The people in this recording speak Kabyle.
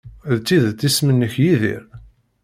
D tidet isem-nnek Yidir?